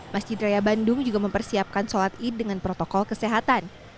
masjid raya bandung juga mempersiapkan sholat id dengan protokol kesehatan